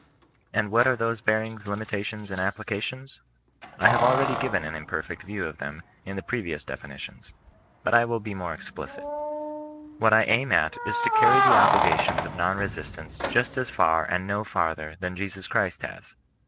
And what are those bearings, limitations, and applications? I haveabread^ given an imperfect view of them in theprevious defini tions. But I will be more explicit. What I aim at is to carry the obligations of non resistance just as far and no farther than Jesus Christ has.